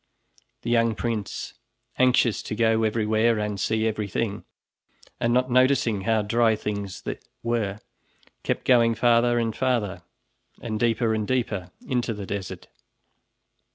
The young prince anxious to go everywhere and see everything and not noticing how dry things were, kept going farther and farther, and deeper and deeper, into the desert.